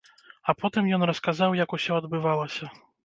А потым ён расказаў, як усё адбывалася.